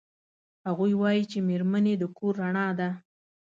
هغوی وایي چې میرمنې د کور رڼا ده